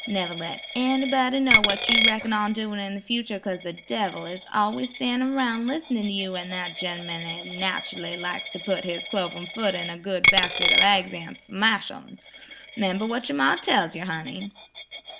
Never let anybody know what you reckon on doin' in the future 'cause the devil is always standin' 'roun' listenin' to you, an' that gen'man jes' nachally likes to put his cloven foot into a good basket of aigs an' smash 'em. 'Member what yer ma tells yer, honey."